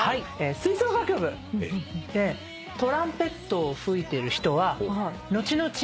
吹奏楽部でトランペットを吹いてる人はのちのち